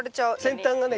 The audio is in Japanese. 先端がね